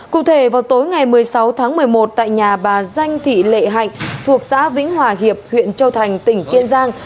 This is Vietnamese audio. cụ thể vào tối ngày một mươi sáu tháng một mươi một tại nhà bà danh thị lệ hạnh thuộc xã vĩnh hòa hiệp huyện châu thành tỉnh kiên giang